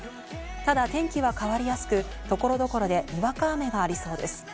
ただ天気は変わりやすく、所々でにわか雨がありそうです。